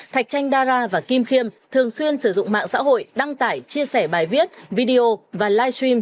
thạch chanh dara và kim khiêm thường xuyên sử dụng mạng xã hội đăng tải chia sẻ bài viết video và live stream